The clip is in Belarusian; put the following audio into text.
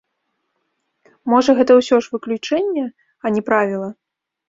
Можа, гэта ўсё ж выключэнне, а не правіла?